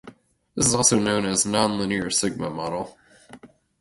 This is also known as nonlinear sigma model.